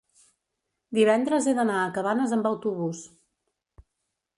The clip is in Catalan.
Divendres he d'anar a Cabanes amb autobús.